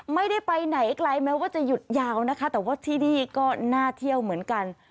ไม่ได้ไปไหนไกลแม้ว่าจะหยุดยาวนะคะแต่ว่าที่นี่ก็น่าเที่ยวเหมือนกัน